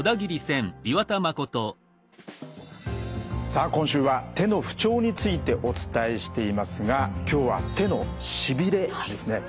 さあ今週は手の不調についてお伝えしていますが今日は手のしびれですね。